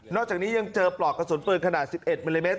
จากนี้ยังเจอปลอกกระสุนปืนขนาด๑๑มิลลิเมต